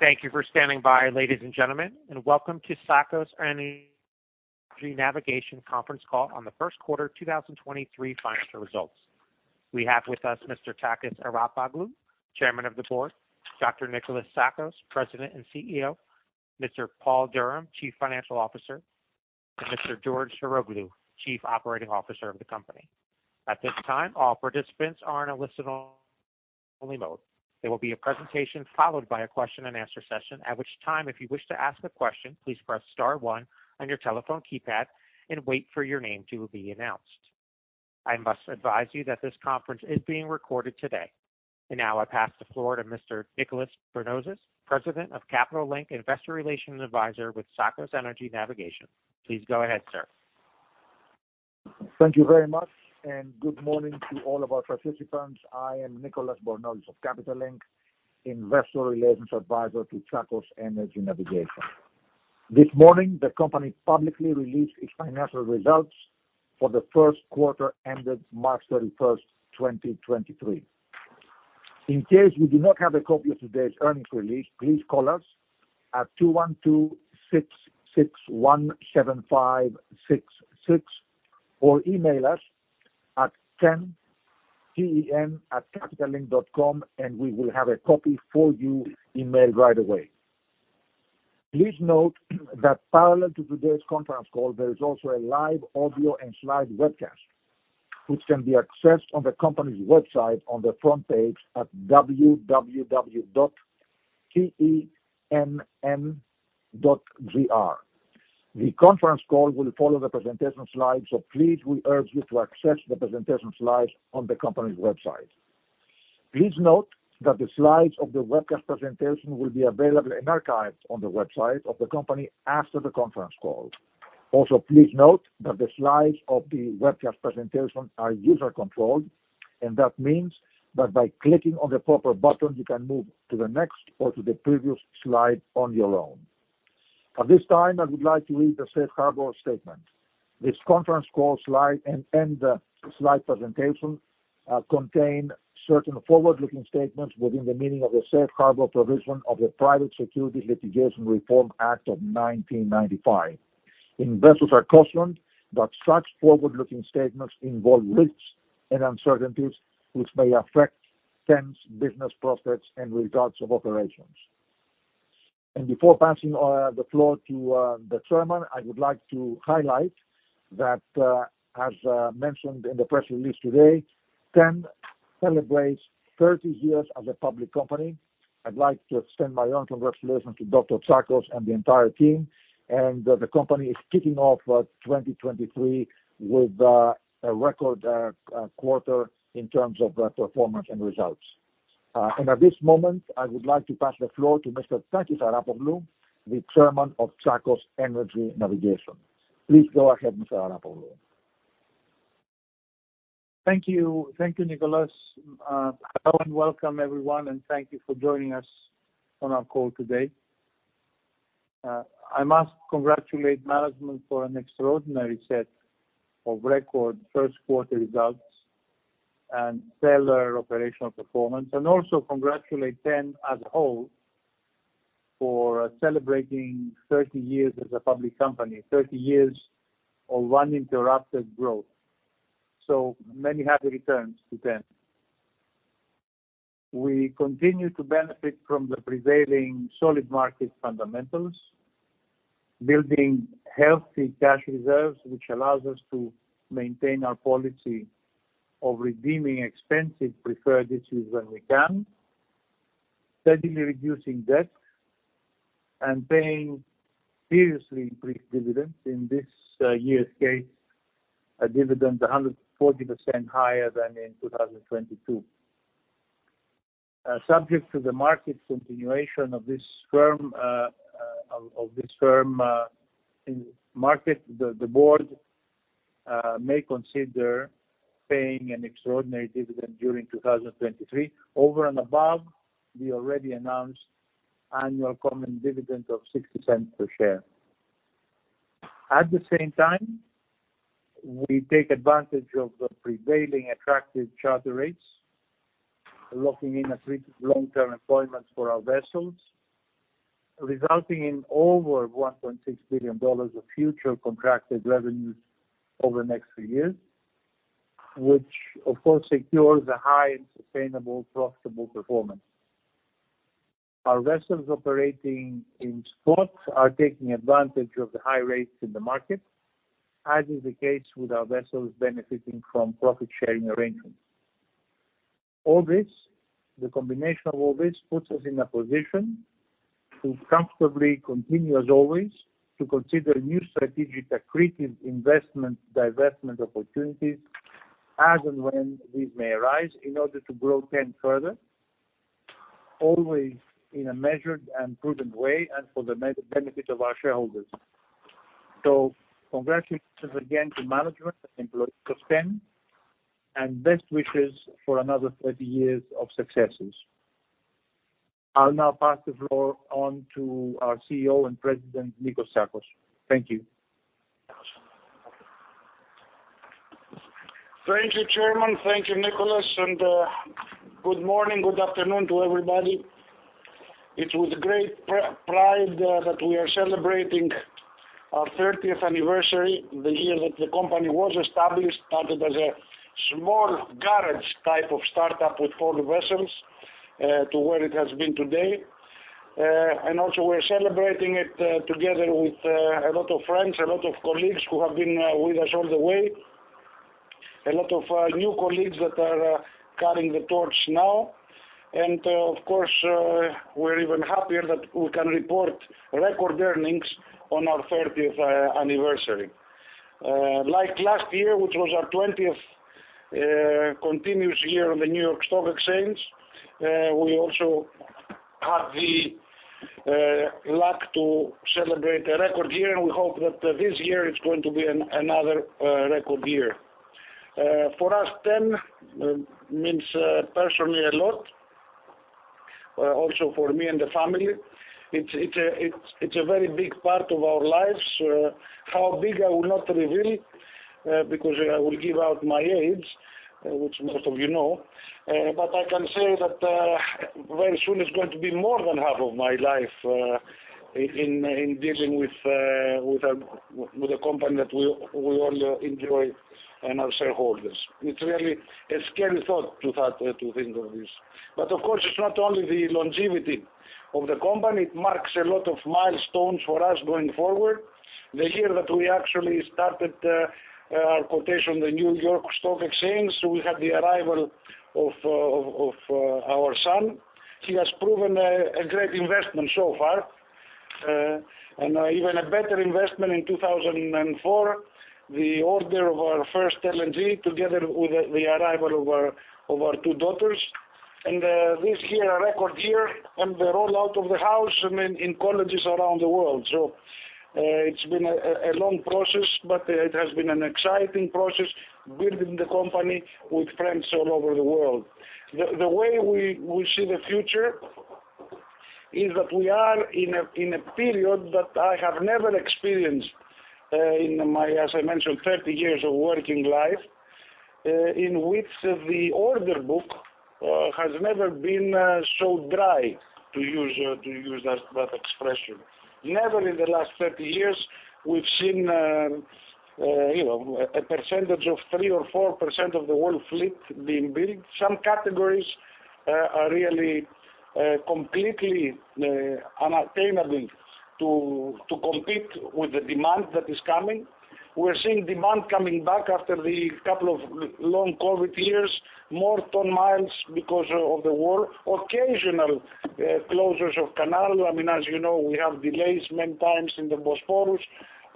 Thank you for standing by, ladies and gentlemen, and welcome to Tsakos Energy Navigation conference call on the first quarter 2023 financial results. We have with us Mr. Takis Arapoglou, Chairman of the Board, Dr. Nikolas Tsakos, President and CEO, Mr. Paul Durham, Chief Financial Officer, and Mr. George Saroglou, Chief Operating Officer of the company. At this time, all participants are in a listen-only mode. There will be a presentation followed by a question and answer session, at which time, if you wish to ask a question, please press star one on your telephone keypad and wait for your name to be announced. I must advise you that this conference is being recorded today. Now I pass the floor to Mr. Nicolas Bornozis, President of Capital Link, Investor Relations Advisor with Tsakos Energy Navigation. Please go ahead, sir. Thank you very much, and good morning to all of our participants. I am Nicolas Bornozis of Capital Link, Investor Relations Advisor to Tsakos Energy Navigation. This morning, the company publicly released its financial results for the first quarter, ended March 31st, 2023. In case you do not have a copy of today's earnings release, please call us at 212-661-7566, or email us at ten@capitallink.com, and we will have a copy for you emailed right away. Please note that parallel to today's conference call, there is also a live audio and slide webcast, which can be accessed on the company's website on the front page at www.tenn.gr. The conference call will follow the presentation slides, so please, we urge you to access the presentation slides on the company's website. Please note that the slides of the webcast presentation will be available in archives on the website of the company after the conference call. Also, please note that the slides of the webcast presentation are user-controlled, and that means that by clicking on the proper button, you can move to the next or to the previous slide on your own. At this time, I would like to read the safe harbor statement. This conference call slide and the slide presentation contain certain forward-looking statements within the meaning of the safe harbor provision of the Private Securities Litigation Reform Act of 1995. Investors are cautioned that such forward-looking statements involve risks and uncertainties, which may affect TEN's business prospects and results of operations. Before passing the floor to the chairman, I would like to highlight that as mentioned in the press release today, TEN celebrates 30 years as a public company. I'd like to extend my own congratulations to Dr. Tsakos and the entire team. The company is kicking off 2023 with a record quarter in terms of performance and results. At this moment, I would like to pass the floor to Mr. Takis Arapoglou, the Chairman of Tsakos Energy Navigation. Please go ahead, Mr. Arapoglou. Thank you. Thank you, Nicolas. Hello, and welcome everyone, and thank you for joining us on our call today. I must congratulate management for an extraordinary set of record first quarter results and seller operational performance, and also congratulate TEN as a whole for celebrating 30 years as a public company, 30 years of uninterrupted growth. Many happy returns to TEN. We continue to benefit from the prevailing solid market fundamentals, building healthy cash reserves, which allows us to maintain our policy of redeeming expensive preferred issues when we can, steadily reducing debt and paying seriously increased dividends, in this year's case, a dividend 140% higher than in 2022. Subject to the market continuation of this firm in market, the board may consider paying an extraordinary dividend during 2023, over and above the already announced annual common dividend of $0.60 per share. At the same time, we take advantage of the prevailing attractive charter rates, locking in accretive long-term deployments for our vessels, resulting in over $1.6 billion of future contracted revenues over the next three years, which of course, secures a high and sustainable, profitable performance. Our vessels operating in spot are taking advantage of the high rates in the market, as is the case with our vessels benefiting from profit-sharing arrangements. All this, the combination of all this puts us in a position to comfortably continue, as always, to consider new strategic accretive investment, divestment opportunities as and when these may arise, in order to grow TEN further, always in a measured and prudent way and for the benefit of our shareholders. Congratulations again to management and employees of TEN, best wishes for another 30 years of successes. I'll now pass the floor on to our CEO and President, Nico Tsakos. Thank you. Thank you, Chairman. Thank you, Nicolas, good morning, good afternoon to everybody. It's with great pride that we are celebrating our 30th anniversary, the year that the company was established, started as a small garage type of startup with four vessels to where it has been today. Also we're celebrating it together with a lot of friends, a lot of colleagues who have been with us all the way. A lot of new colleagues that are carrying the torch now. Of course, we're even happier that we can report record earnings on our 30th anniversary. Like last year, which was our 20th continuous year on the New York Stock Exchange, we also had the luck to celebrate a record year, and we hope that this year is going to be another record year. For us TEN means personally a lot, also for me and the family. It's a very big part of our lives. How big I will not reveal, because I will give out my age, which most of you know. I can say that very soon it's going to be more than half of my life in dealing with a company that we all enjoy and our shareholders. It's really a scary thought to think of this. Of course, it's not only the longevity of the company, it marks a lot of milestones for us going forward. The year that we actually started our quotation on the New York Stock Exchange, we had the arrival of our son. He has proven a great investment so far, and even a better investment in 2004, the order of our first LNG, together with the arrival of our two daughters. This year, a record year on the roll out of the house and in colleges around the world. It's been a long process, but it has been an exciting process building the company with friends all over the world. The way we see the future is that we are in a period that I have never experienced in my, as I mentioned, 30 years of working life, in which the order book has never been so dry, to use that expression. Never in the last 30 years we've seen, you know, a percentage of 3% or 4% of the whole fleet being built. Some categories are really completely unattainable to compete with the demand that is coming. We're seeing demand coming back after the couple of long COVID years, more ton-miles because of the war. Occasional closures of canal. I mean, as you know, we have delays many times in the Bosphorus,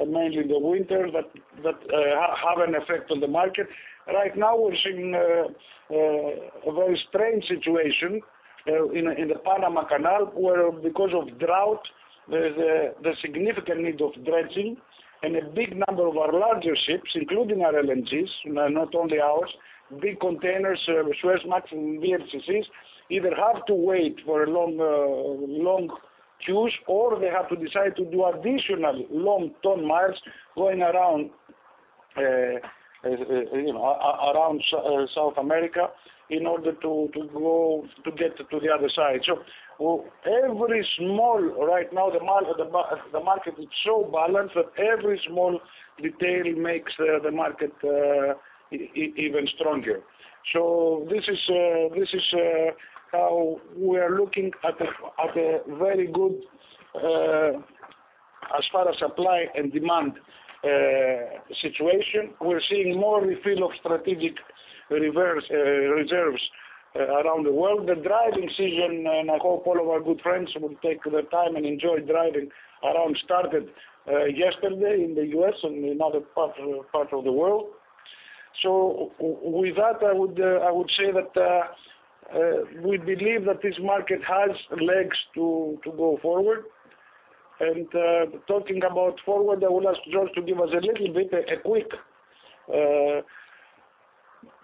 mainly in the winter, that have an effect on the market Right now, we're seeing a very strange situation in the Panama Canal, where because of drought, there's a significant need of dredging and a big number of our larger ships, including our LNGs, not only ours, big containers, Suezmax and VLCCs, either have to wait for long queues, or they have to decide to do additional long ton-miles going around, you know, around South America in order to get to the other side. Every small right now, the market is so balanced that every small detail makes the market even stronger. This is how we are looking at a very good as far as supply and demand situation. We're seeing more refill of strategic reverse reserves around the world. The driving season, and I hope all of our good friends will take the time and enjoy driving around, started yesterday in the U.S. and in other part of the world. With that, I would say that we believe that this market has legs to go forward. Talking about forward, I will ask George to give us a little bit, a quick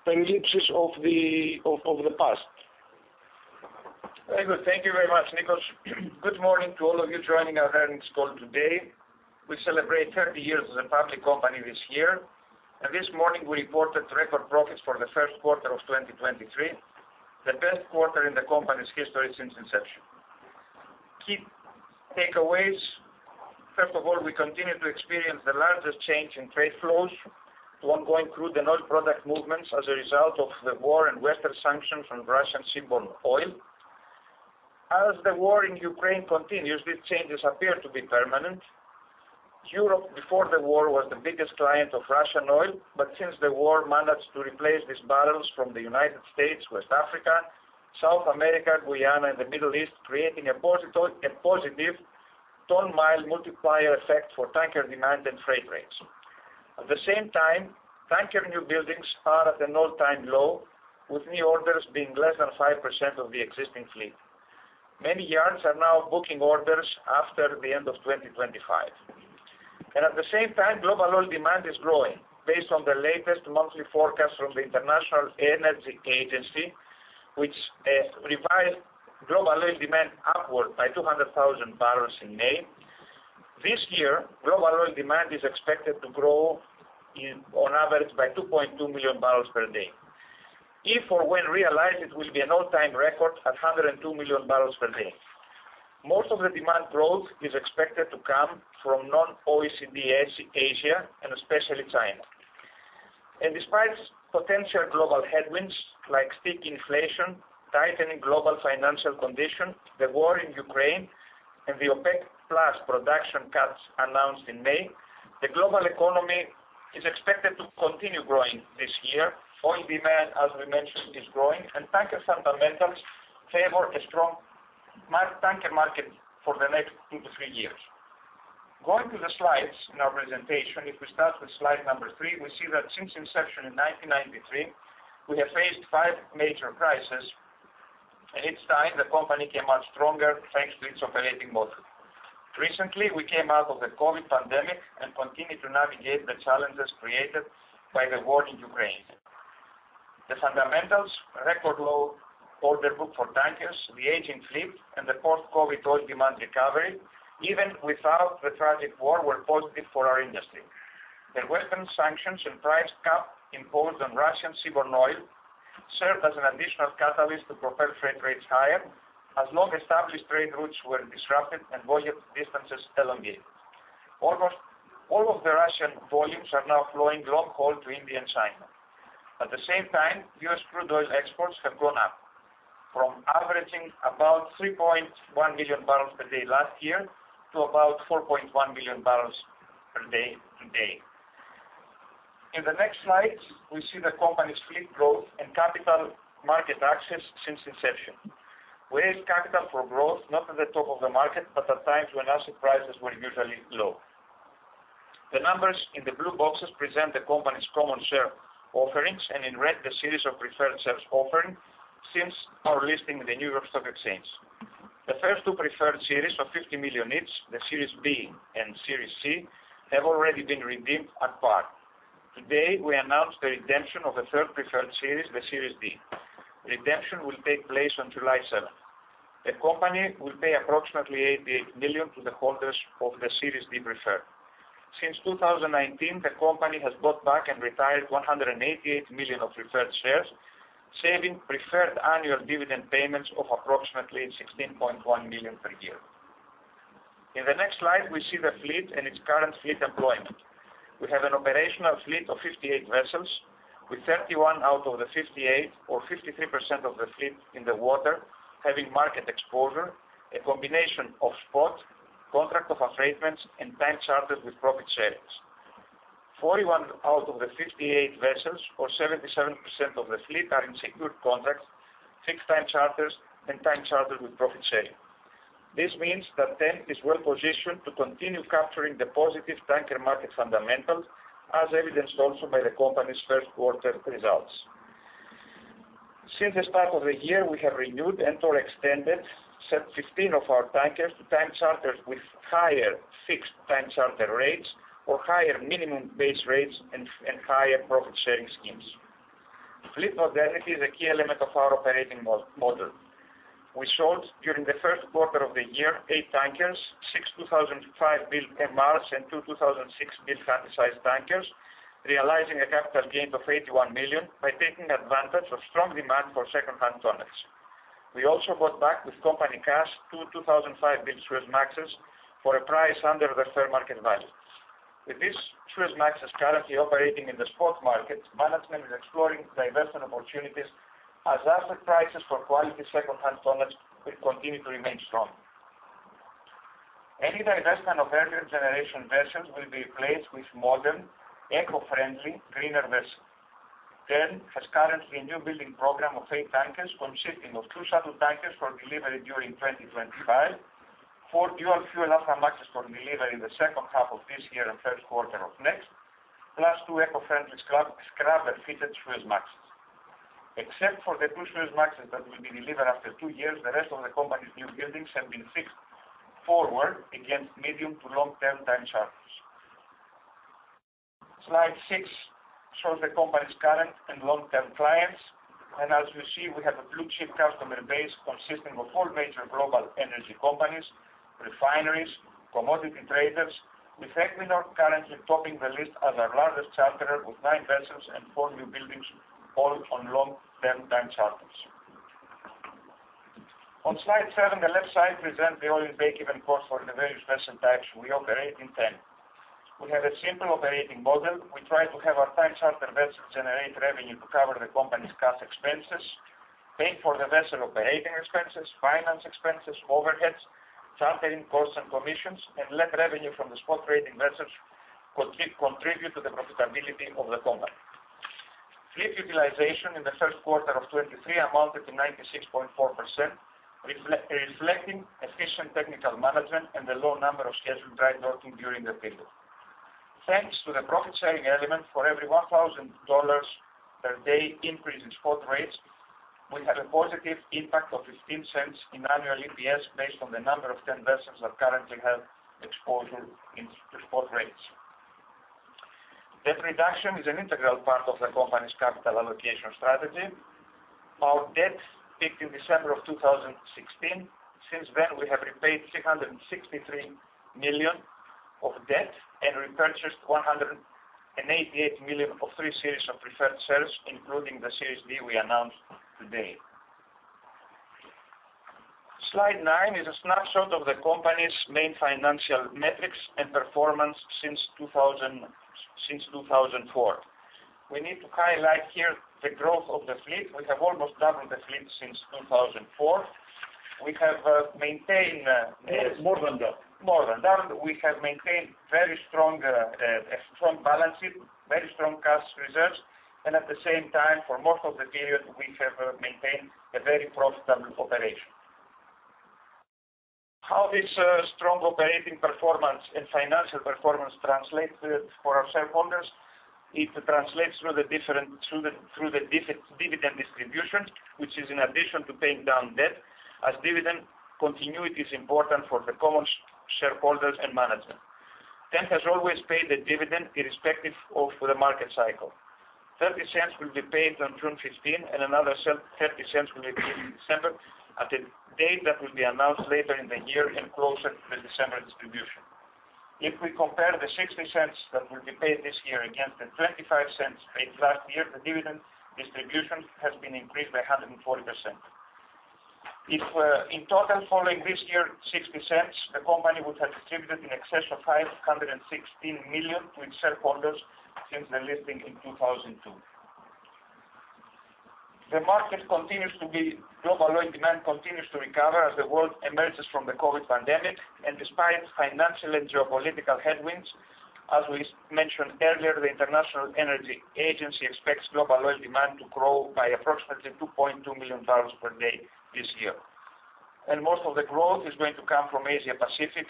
synopsis of the past. Very good. Thank you very much, Nikolas. Good morning to all of you joining our earnings call today. We celebrate 30 years as a public company this year. This morning we reported record profits for the first quarter of 2023, the best quarter in the company's history since inception. Key takeaways. First of all, we continue to experience the largest change in trade flows to ongoing crude and oil product movements as a result of the war and Western sanctions on Russian seaborne oil. As the war in Ukraine continues, these changes appear to be permanent. Europe, before the war, was the biggest client of Russian oil. Since the war managed to replace these barrels from the United States, West Africa, South America, Guyana and the Middle East, creating a positive ton-mile multiplier effect for tanker demand and freight rates. At the same time, tanker new buildings are at an all-time low, with new orders being less than 5% of the existing fleet. Many yards are now booking orders after the end of 2025. At the same time, global oil demand is growing based on the latest monthly forecast from the International Energy Agency, which revised global oil demand upward by 200,000 bbl in May. This year, global oil demand is expected to grow on average by 2.2 MMbpd. If or when realized, it will be an all-time record at 102 MMbpd. Most of the demand growth is expected to come from non-OECD Asia, and especially China. Despite potential global headwinds like steep inflation, tightening global financial condition, the war in Ukraine and the OPEC+ production cuts announced in May, the global economy is expected to continue growing this year. Oil demand, as we mentioned, is growing and tanker fundamentals favor a strong tanker market for the next two to three years. Going to the slides in our presentation, if we start with slide number three, we see that since inception in 1993, we have faced five major crises, and each time the company came out stronger, thanks to its operating model. Recently, we came out of the COVID pandemic and continued to navigate the challenges created by the war in Ukraine. The fundamentals record low order book for tankers, the aging fleet and the post-COVID oil demand recovery, even without the tragic war, were positive for our industry. The Western sanctions and price cap imposed on Russian seaborne oil served as an additional catalyst to propel trade rates higher, as long-established trade routes were disrupted and voyage distances elongated. Almost all of the Russian volumes are now flowing long haul to India and China. At the same time, U.S. crude oil exports have gone up from averaging about 3.1 MMbpd last year to about 4.1 MMbpd today. In the next slide, we see the company's fleet growth and capital market access since inception. We raised capital for growth, not at the top of the market, but at times when asset prices were usually low. The numbers in the blue boxes present the company's common share offerings, and in red, the series of preferred shares offering since our listing in the New York Stock Exchange. The first two preferred series of $50 million each, the Series B and Series C, have already been redeemed at par. Today, we announced the redemption of the third preferred series, the Series D. Redemption will take place on July 7th. The company will pay approximately $88 million to the holders of the Series D preferred. Since 2019, the company has bought back and retired $188 million of preferred shares, saving preferred annual dividend payments of approximately $16.1 million per year. In the next slide, we see the fleet and its current fleet employment. We have an operational fleet of 58 vessels, with 31 out of the 58 or 53% of the fleet in the water having market exposure, a combination of spot, contract of affreightments and time charters with profit sharings. 41 out of the 58 vessels or 77% of the fleet are in secured contracts, fixed time charters and time charter with profit sharing. This means that TEN is well positioned to continue capturing the positive tanker market fundamentals, as evidenced also by the company's first quarter results. Since the start of the year, we have renewed and/or extended some 15 of our tankers to time charters with higher fixed time charter rates or higher minimum base rates and higher profit sharing schemes. Fleet modernity is a key element of our operating model. We sold during the first quarter of the year, eight tankers, six 2005 built MRs, and two 2006 built handy-size tankers, realizing a capital gain of $81 million by taking advantage of strong demand for second-hand tonnage. We also bought back with company cash two 2005 built Suezmaxes for a price under the fair market value. With these Suezmaxes currently operating in the spot market, management is exploring divestment opportunities as asset prices for quality second-hand tonnage will continue to remain strong. Any divestment of earlier generation vessels will be replaced with modern, eco-friendly, greener vessels. TEN has currently a new building program of eight tankers, consisting of two shuttle tankers for delivery during 2025, four dual-fuel Aframaxes for delivery in the second half of this year and first quarter of next, plus two eco-friendly scrubber-fitted Suezmaxes. Except for the two Suezmaxes that will be delivered after two years, the rest of the company's new buildings have been fixed forward against medium to long-term time charters. Slide six shows the company's current and long-term clients. As you see, we have a blue chip customer base consisting of all major global energy companies, refineries, commodity traders, with Equinor currently topping the list as our largest charterer with nine vessels and four new buildings, all on long-term time charters. On slide seven, the left side presents the oil breakeven cost for the various vessel types we operate in TEN. We have a simple operating model. We try to have our time charter vessels generate revenue to cover the company's cost expenses, pay for the vessel operating expenses, finance expenses, overheads, chartering costs and commissions, and let revenue from the spot trading vessels contribute to the profitability of the company. Fleet utilization in the first quarter of 2023 amounted to 96.4%, reflecting efficient technical management and the low number of scheduled dry docking during the period. Thanks to the profit sharing element, for every $1,000 per day increase in spot rates, we have a positive impact of $0.15 in annual EPS based on the number of TEN vessels that currently have exposure to spot rates. Debt reduction is an integral part of the company's capital allocation strategy. Our debt peaked in December of 2016. Since then, we have repaid $663 million of debt and repurchased $188 million of three series of preferred shares, including the Series D we announced today. Slide nine is a snapshot of the company's main financial metrics and performance since 2004. We need to highlight here the growth of the fleet. We have almost doubled the fleet since 2004. We have maintained more than that. We have maintained very strong a strong balance sheet, very strong cash reserves, and at the same time, for most of the period, we have maintained a very profitable operation. How this strong operating performance and financial performance translates for our shareholders, it translates through the different dividend distribution, which is in addition to paying down debt, as dividend continuity is important for the common shareholders and management. TEN has always paid a dividend irrespective of the market cycle. $0.30 will be paid on June 15. Another $0.30 will be paid in December at a date that will be announced later in the year and closer to the December distribution. If we compare the $0.60 that will be paid this year against the $0.25 paid last year, the dividend distribution has been increased by 140%. If, in total, following this year, $0.60, the company would have distributed in excess of $516 million to its shareholders since the listing in 2002. The market continues to be... global oil demand continues to recover as the world emerges from the COVID pandemic, and despite financial and geopolitical headwinds, as we mentioned earlier, the International Energy Agency expects global oil demand to grow by approximately 2.2 MMbpd this year. Most of the growth is going to come from Asia Pacific,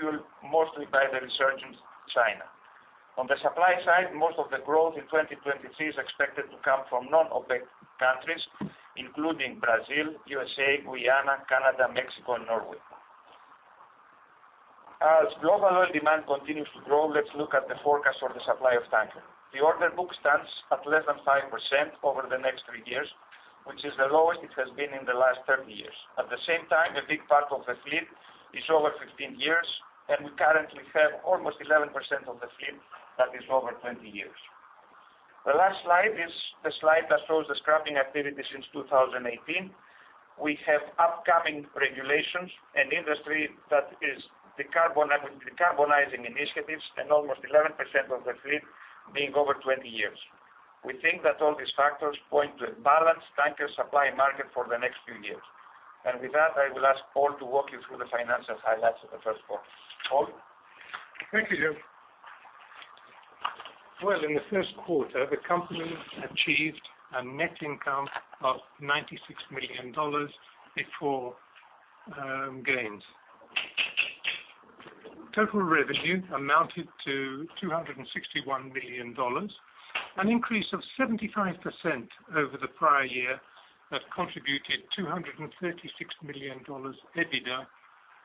fueled mostly by the resurgent China. On the supply side, most of the growth in 2023 is expected to come from non-OPEC countries, including Brazil, U.S.A., Guyana, Canada, Mexico, and Norway. As global oil demand continues to grow, let's look at the forecast for the supply of tanker. The order book stands at less than 5% over the next three years, which is the lowest it has been in the last 30 years. At the same time, a big part of the fleet is over 15 years, and we currently have almost 11% of the fleet that is over 20 years. The last slide is the slide that shows the scrapping activity since 2018. We have upcoming regulations, an industry that is decarbonizing initiatives and almost 11% of the fleet being over 20 years. We think that all these factors point to a balanced tanker supply market for the next few years. With that, I will ask Paul to walk you through the financial highlights of the first quarter. Paul? Thank you, George. Well, in the first quarter, the company achieved a net income of $96 million before gains. Total revenue amounted to $261 million, an increase of 75% over the prior year, that contributed $236 million EBITDA,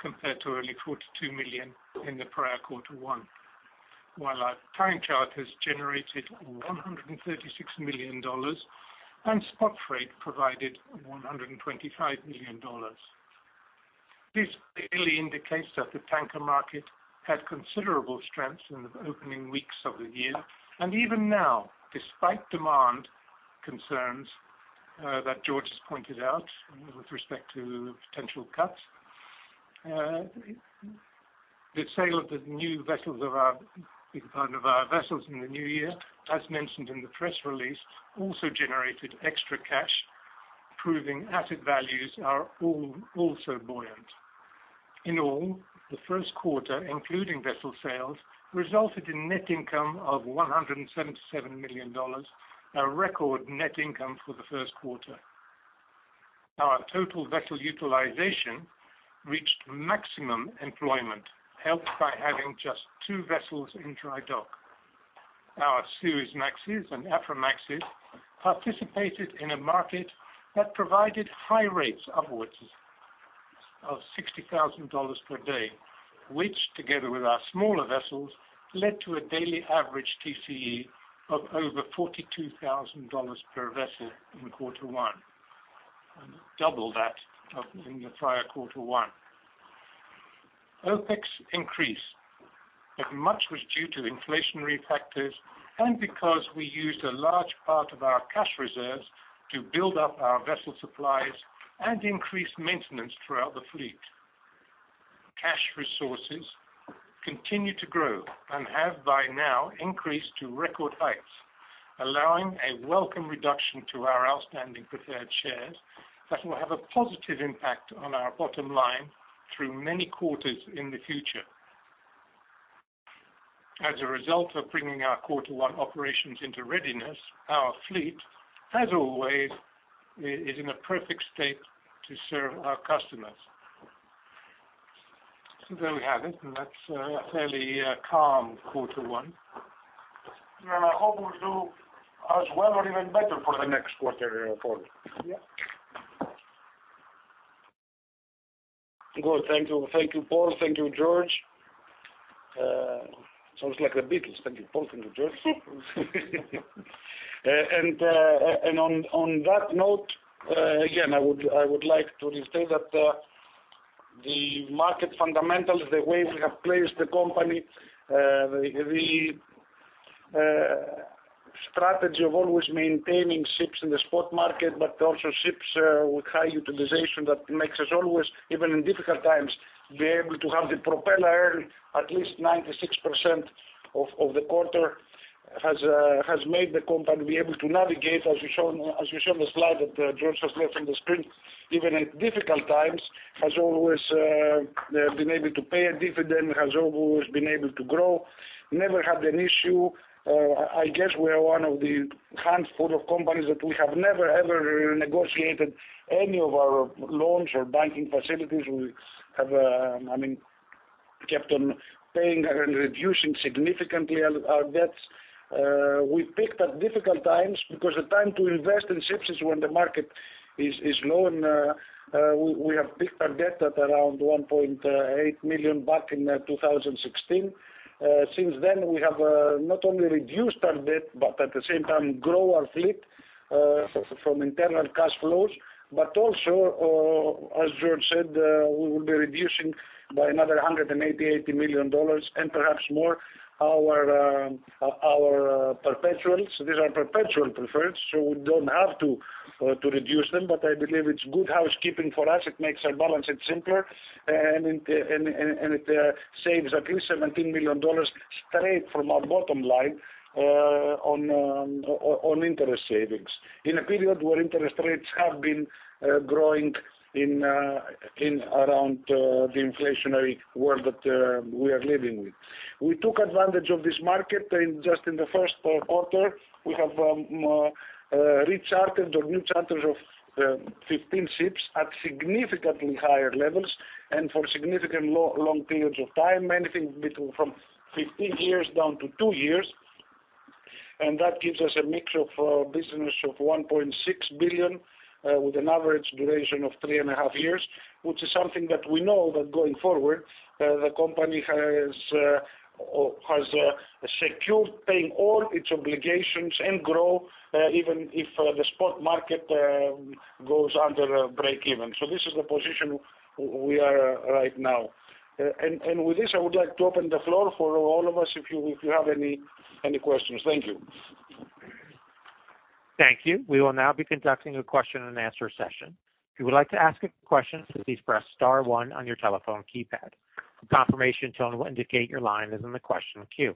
compared to only $42 million in the prior Q1. Our time charter has generated $136 million, and spot freight provided $125 million. This clearly indicates that the tanker market had considerable strength in the opening weeks of the year, and even now, despite demand concerns, that George has pointed out with respect to potential cuts, the sale of the new vessels of our, beg your pardon, of our vessels in the new year, as mentioned in the press release, also generated extra cash, proving asset values are also buoyant. In all, the first quarter, including vessel sales, resulted in net income of $177 million, a record net income for the first quarter. Our total vessel utilization reached maximum employment, helped by having just two vessels in dry dock. Our Suezmaxes and Aframaxes participated in a market that provided high rates upwards of $60,000 per day, which, together with our smaller vessels, led to a daily average TCE of over $42,000 per vessel in Q1, and double that of in the prior Q1. OpEx increased, but much was due to inflationary factors and because we used a large part of our cash reserves to build up our vessel supplies and increase maintenance throughout the fleet. Cash resources continue to grow and have by now increased to record heights, allowing a welcome reduction to our outstanding preferred shares that will have a positive impact on our bottom line through many quarters in the future. As a result of bringing our Q1 operations into readiness, our fleet, as always, is in a perfect state to serve our customers. There we have it, and that's a fairly calm quarter one. I hope we'll do as well or even better for the next quarter, Paul. Yeah. Good. Thank you. Thank you, Paul. Thank you, George. Sounds like the Beatles. Thank you, Paul. Thank you, George. On that note, again, I would like to restate that the market fundamentals, the way we have placed the company, the strategy of always maintaining ships in the spot market, but also ships with high utilization that makes us always, even in difficult times, be able to have the propeller earn at least 96% of the quarter, has made the company be able to navigate, as we shown the slide that George has left on the screen, even in difficult times, has always been able to pay a dividend, has always been able to grow. Never had an issue. I guess we are one of the handful of companies that we have never, ever negotiated any of our loans or banking facilities. We have, I mean, kept on paying and reducing significantly our debts. We peaked at difficult times because the time to invest in ships is when the market is low, and we have picked our debt at around $1.8 million back in 2016. Since then, we have not only reduced our debt, but at the same time grow our fleet from internal cash flows. Also, as George said, we will be reducing by another $188 million and perhaps more our perpetuals. These are perpetual preferred, so we don't have to reduce them, but I believe it's good housekeeping for us. It makes our balance sheet simpler, and it saves at least $17 million straight from our bottom line, on interest savings. In a period where interest rates have been growing in around the inflationary world that we are living with. We took advantage of this market in just in the first quarter, we have rechartered or new charters of 15 ships at significantly higher levels and for significant long periods of time, anything between from 15 years down to two years. That gives us a mix of business of $1.6 billion with an average duration of three and a half years, which is something that we know that going forward, the company has secured paying all its obligations and grow even if the spot market goes under break-even. This is the position we are right now. With this, I would like to open the floor for all of us, if you have any questions. Thank you. Thank you. We will now be conducting a question and answer session. If you would like to ask a question, please press star one on your telephone keypad. A confirmation tone will indicate your line is in the question queue.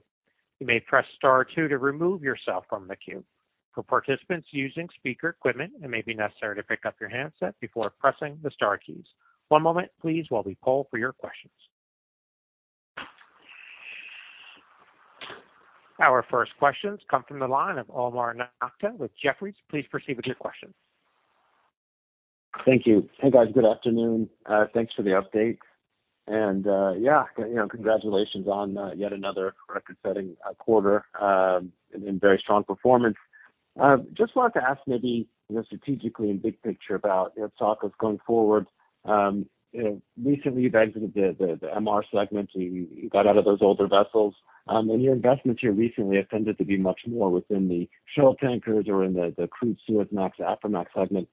You may press star two to remove yourself from the queue. For participants using speaker equipment, it may be necessary to pick up your handset before pressing the star keys. One moment, please, while we poll for your questions. Our first questions come from the line of Omar Nokta with Jefferies. Please proceed with your question. Thank you. Hey, guys good afternoon. Thanks for the update. You know, congratulations on yet another record-setting quarter and very strong performance. Just wanted to ask maybe, you know, strategically in big picture about, you know, Tsakos going forward. You know, recently you've exited the MR segment, you got out of those older vessels. And your investments here recently have tended to be much more within the shuttle tankers or in the crude Suezmax, Aframax segment,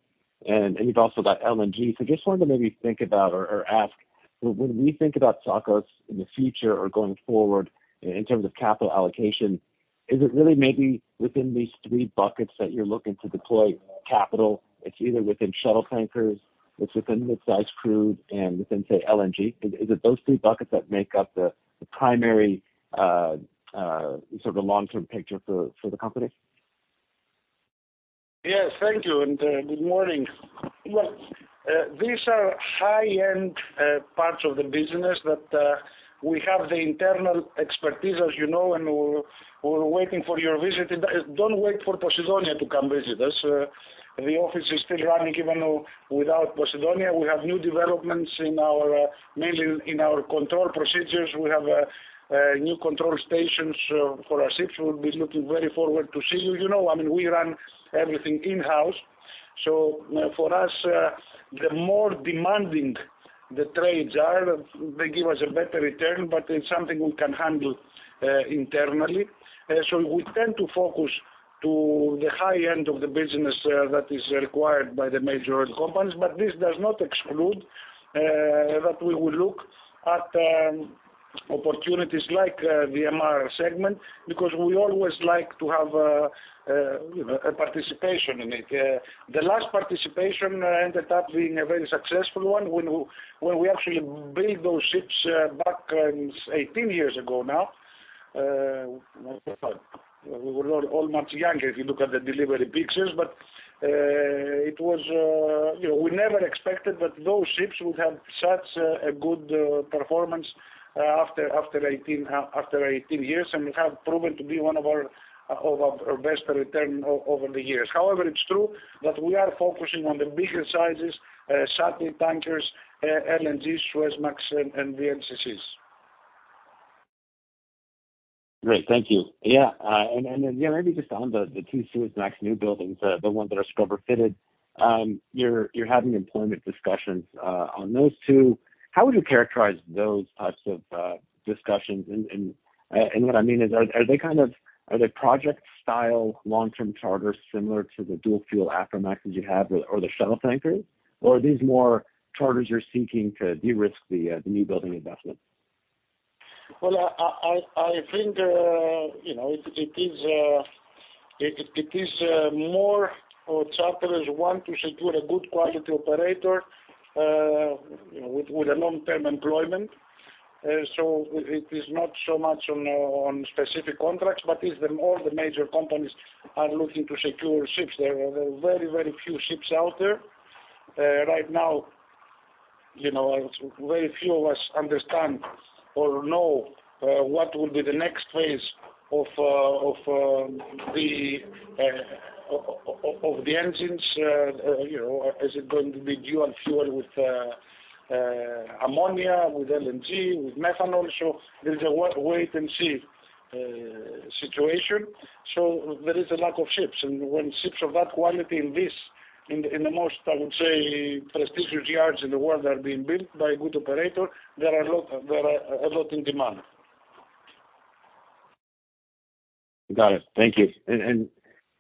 and you've also got LNG. Just wanted to maybe think about or ask, when we think about Tsakos in the future or going forward in terms of capital allocation, is it really maybe within these three buckets that you're looking to deploy capital? It's either within shuttle tankers, it's within mid-size crude and within, say, LNG. Is it those three buckets that make up the primary, sort of long-term picture for the company? Yes, thank you, and good morning. Well, these are high-end parts of the business that we have the internal expertise, as you know, and we're waiting for your visit. Don't wait for Posidonia to come visit us. The office is still running even though without Posidonia. We have new developments in our mainly in our control procedures. We have new control stations for our ships. We'll be looking very forward to see you. You know, I mean, we run everything in-house. For us, the more demanding the trades are, they give us a better return, but it's something we can handle internally. We tend to focus to the high end of the business that is required by the major oil companies. This does not exclude that we will look at opportunities like the MR segment, because we always like to have a, you know, a participation in it. The last participation ended up being a very successful one when we, when we actually build those ships back 18 years ago now. We were all much younger if you look at the delivery pictures, but it was. You know, we never expected that those ships would have such a good performance after 18 years, and have proven to be one of our, of our best return over the years. However, it's true that we are focusing on the bigger sizes, shuttle tankers, LNG, Suezmax, and VLCCs. Great. Thank you. Then, maybe just on the two Suezmax new buildings, the ones that are scrubber-fitted, you're having employment discussions on those two. How would you characterize those types of discussions? What I mean is, are they kind of project-style long-term charters similar to the dual-fuel Aframax that you have or the shuttle tankers? Are these more charters you're seeking to de-risk the new building investment? Well, I think, you know, it is, it is more of charters want to secure a good quality operator, with a long-term employment. It is not so much on specific contracts, but is the more the major companies are looking to secure ships. There are very few ships out there. Right now, you know, very few of us understand or know what will be the next phase of of the engines. You know, is it going to be dual-fuel with ammonia, with LNG, with methanol? There's a wait-and-see situation. There is a lack of ships, and when ships of that quality in the most, I would say, prestigious yards in the world are being built by a good operator, there are a lot in demand. Got it. Thank you.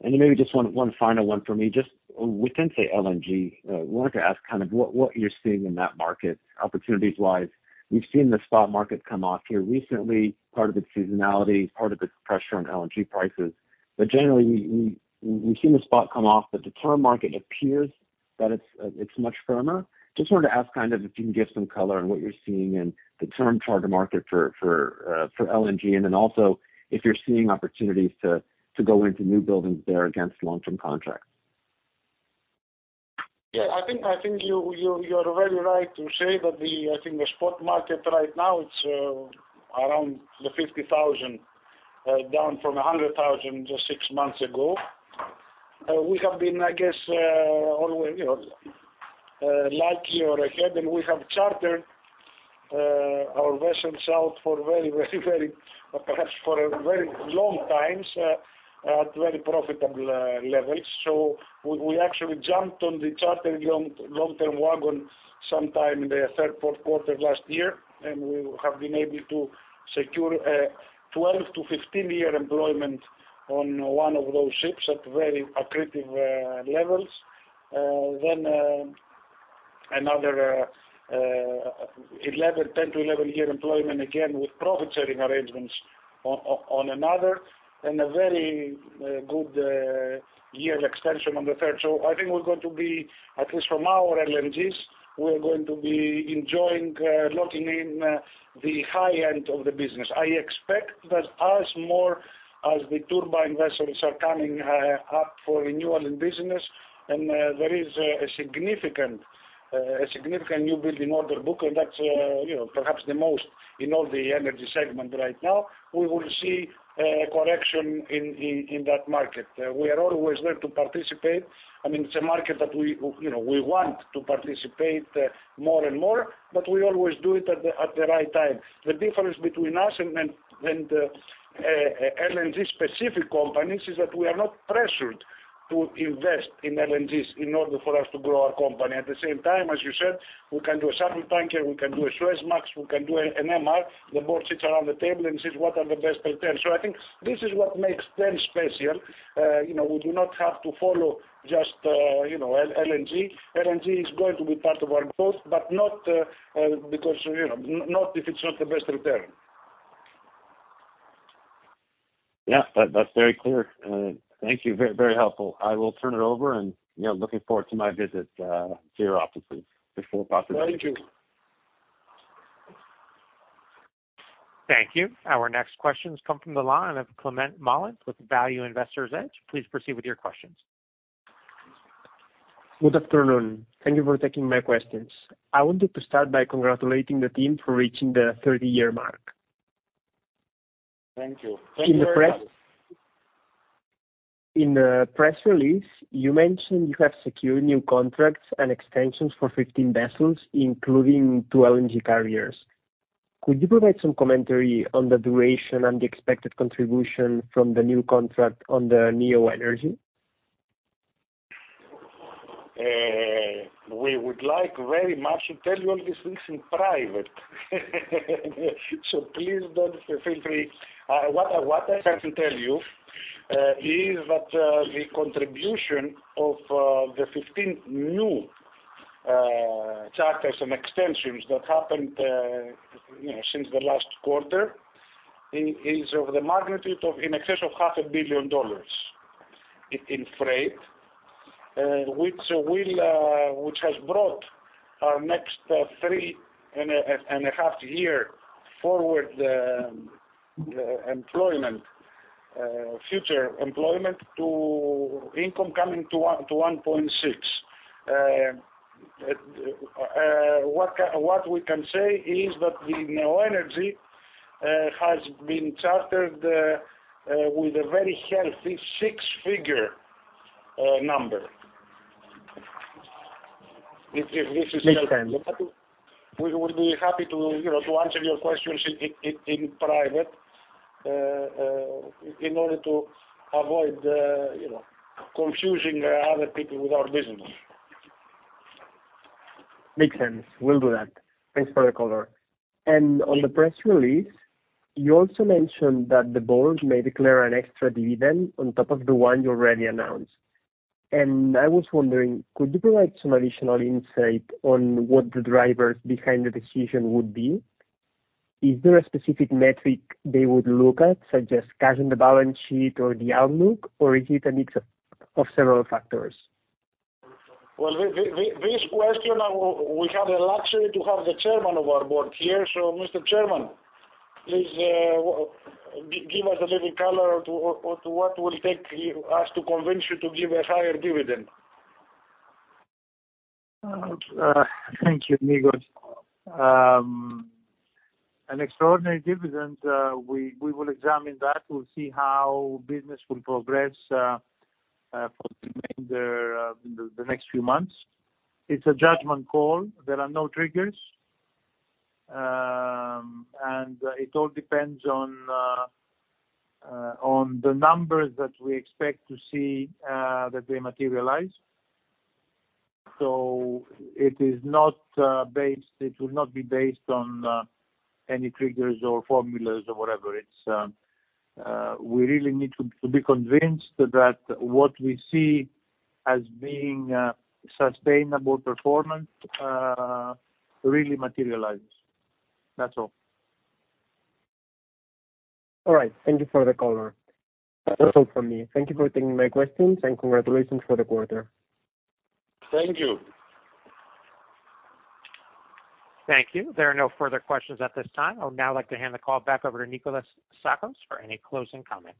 Maybe just one final one for me. Just within, say, LNG, wanted to ask kind of what you're seeing in that market opportunities-wise. We've seen the spot market come off here recently, part of it seasonality, part of it pressure on LNG prices. Generally, we've seen the spot come off, but the term market appears that it's much firmer. Just wanted to ask kind of if you can give some color on what you're seeing in the term charter market for LNG, and then also if you're seeing opportunities to go into new buildings there against long-term contracts. Yeah, I think you're very right to say that the spot market right now, it's around $50,000 down from $100,000 just six months ago. We have been, I guess, always, you know, lucky or ahead, and we have chartered our vessels out for very, very, very perhaps for a very long times at very profitable levels. We actually jumped on the charter long-term wagon sometime in the third, fourth quarter last year, and we have been able to secure a 12-to-15-year employment on one of those ships at very accretive levels. Another 11, 10-to-11-year employment, again, with profit-sharing arrangements on another, and a very good year of extension on the third. I think we're going to be, at least from our LNGs, we're going to be enjoying, locking in, the high end of the business. I expect that as more the turbine vessels are coming up for renewal in business, and there is a significant new building order book, and that's, you know, perhaps the most in all the energy segment right now, we will see correction in that market. We are always there to participate. I mean, it's a market that we, you know, we want to participate more and more, but we always do it at the right time. The difference between us and when the LNG-specific companies is that we are not pressured to invest in LNGs in order for us to grow our company. At the same time, as you said, we can do a shuttle tanker, we can do a Suezmax, we can do an MR. The board sits around the table and says: What are the best returns? I think this is what makes TEN special. you know, we do not have to follow just, you know, LNG. LNG is going to be part of our growth, but not, because, you know, not if it's not the best return. Yeah, that's very clear. Thank you. Very, very helpful. I will turn it over, and, you know, looking forward to my visit to your offices before possible. Thank you. Thank you. Our next questions come from the line of Climent Molins with Value Investor's Edge. Please proceed with your questions. Good afternoon. Thank you for taking my questions. I wanted to start by congratulating the team for reaching the 30-year mark. Thank you. Thank you very much. In the press release, you mentioned you have secured new contracts and extensions for 15 vessels, including two LNG carriers. Could you provide some commentary on the duration and the expected contribution from the new contract on the Neo Energy? We would like very much to tell you all these things in private. Please don't feel free. What I can tell you is that the contribution of the 15 new charters and extensions that happened, you know, since the last quarter is of the magnitude of in excess of $500 million in freight, which will which has brought our next three and a half year forward employment, future employment to income coming to $1.6 billion. What we can say is that the Neo Energy has been chartered with a very healthy six-figure number. if this is we would be happy to, you know, to answer your questions in private in order to avoid, you know, confusing other people with our business. Makes sense. We'll do that. Thanks for the color. On the press release, you also mentioned that the board may declare an extra dividend on top of the one you already announced. I was wondering, could you provide some additional insight on what the drivers behind the decision would be? Is there a specific metric they would look at, such as cash on the balance sheet or the outlook, or is it a mix of several factors? Well, this question, we have the luxury to have the chairman of our board here. Mr. Chairman, please, give us a little color to what will take you us to convince you to give a higher dividend? Thank you, Nico. An extraordinary dividend, we will examine that. We'll see how business will progress for the remainder of the next few months. It's a judgment call. There are no triggers. And it all depends on the numbers that we expect to see that they materialize. So it is not based, it will not be based on any triggers or formulas or whatever. It's, we really need to be convinced that what we see as being a sustainable performance really materializes. That's all. All right. Thank you for the color. That's all from me. Thank you for taking my questions, and congratulations for the quarter. Thank you. Thank you. There are no further questions at this time. I would now like to hand the call back over to Nikolas Tsakos for any closing comments.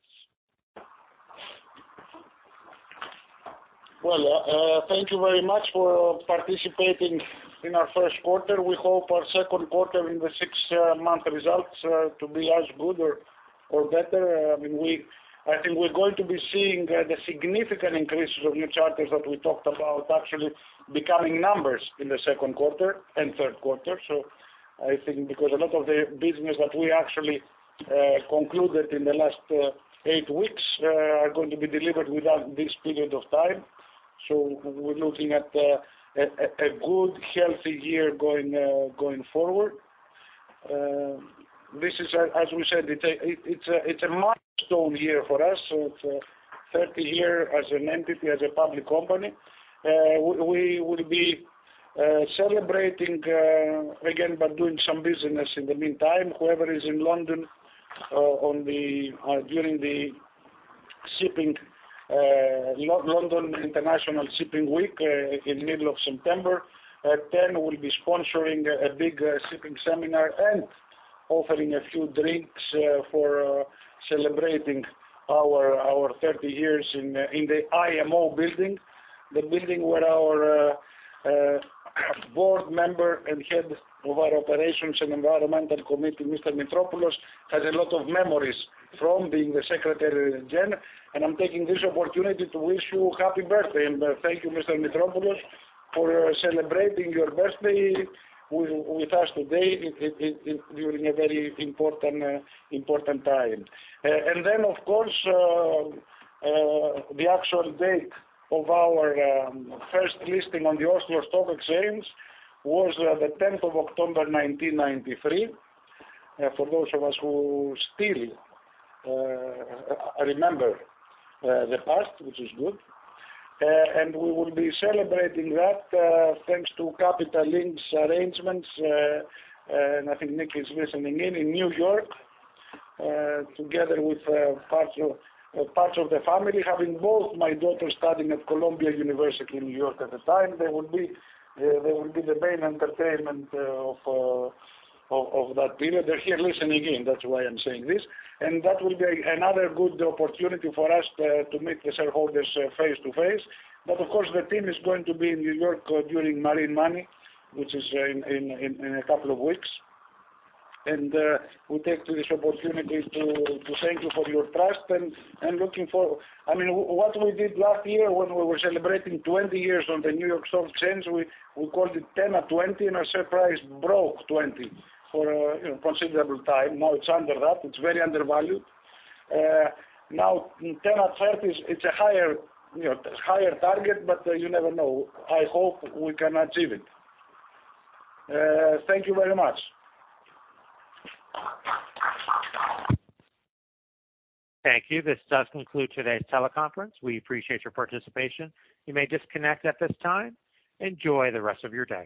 Well, thank you very much for participating in our first quarter. We hope our second quarter in the six-month results to be as good or better. I mean, I think we're going to be seeing the significant increases of new charters that we talked about actually becoming numbers in the second quarter and third quarter. I think because a lot of the business that we actually concluded in the last eight weeks are going to be delivered within this period of time. We're looking at a good, healthy year going forward. This is as we said, it's a milestone year for us. It's 30 year as an entity, as a public company. We will be celebrating again, but doing some business in the meantime. Whoever is in London, on the, during the shipping, London International Shipping Week, in middle of September, at TEN, we'll be sponsoring a big, shipping seminar and offering a few drinks, for, celebrating our 30 years in the IMO building. The building where our board member and head of our operations and environmental committee, Mr. Mitropoulos, has a lot of memories from being the Secretary General. I'm taking this opportunity to wish you happy birthday, and thank you, Mr. Mitropoulos, for celebrating your birthday with us today. It during a very important time. Of course, the actual date of our first listing on the Oslo Stock Exchange was the October 10th, 1993, for those of us who still remember the past, which is good. We will be celebrating that, thanks to Capital Link's arrangements, and I think Nick is listening in New York, together with parts of the family, having both my daughters studying at Columbia University in New York at the time. They will be the main entertainment of that period. They're here listening in, that's why I'm saying this. That will be another good opportunity for us to meet the shareholders face-to-face. Of course, the team is going to be in New York during Marine Money, which is in a couple of weeks. We take this opportunity to thank you for your trust and looking forward. I mean, what we did last year when we were celebrating 20 years on the New York Stock Exchange, we called it TEN or 20, and our share price broke 20 for a considerable time. Now, it's under that. It's very undervalued. Now, TEN or 30, it's a higher, you know, higher target, but you never know. I hope we can achieve it. Thank you very much. Thank you. This does conclude today's teleconference. We appreciate your participation. You may disconnect at this time. Enjoy the rest of your day.